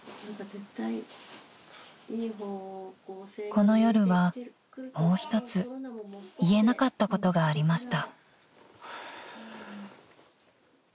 ［この夜はもう一つ言えなかったことがありました］